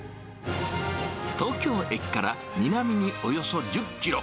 東京駅から南におよそ１０キロ。